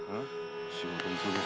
仕事急げ。